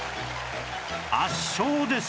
圧勝です